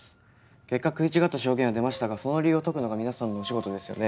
結果食い違った証言は出ましたがその理由を解くのが皆さんのお仕事ですよね？